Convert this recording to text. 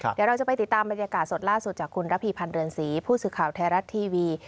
เดี๋ยวเราจะไปติดตามบรรยากาศสดล่าสุดจากคุณระพีพันธ์เรือนศรีผู้สื่อข่าวไทยรัฐทีวี